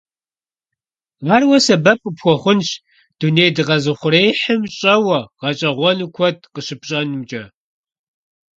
Ар уэ сэбэп къыпхуэхъунщ дуней дыкъэзыухъуреихьым щӀэуэ, гъэщӀэгъуэну куэд къыщыпщӀэнымкӀэ.